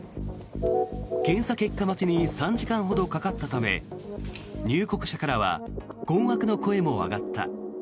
検査結果待ちに３時間ほどかかったため入国者からは困惑の声も上がった。